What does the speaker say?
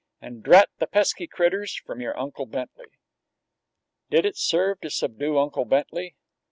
and, "Drat the pesky critters!" from your Uncle Bentley. Did it serve to subdue Uncle Bentley?